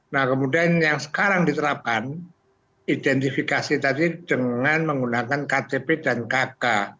nah kemudian yang sekarang diterapkan identifikasi tadi dengan menggunakan ktp dan kk